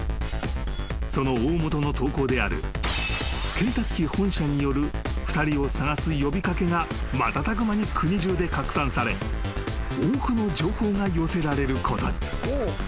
［その大本の投稿であるケンタッキー本社による２人を捜す呼び掛けが瞬く間に国中で拡散され多くの情報が寄せられることに］